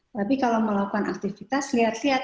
tapi kalau melakukan aktivitas lihat lihat